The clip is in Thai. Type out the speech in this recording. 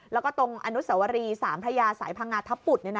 แล้วก็ตรงอนุสวรีสามพระยาสายพังงาทับปุด